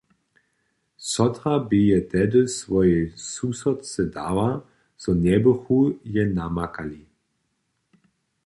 Sotra bě je tehdy swojej susodce dała, zo njebychu je namakali.